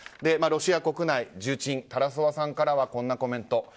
ロシア国内、重鎮タラソワさんからはこんなコメント。